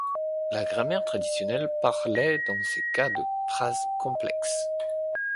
La grammaire traditionnelle parlait dans ces cas de phrase complexe.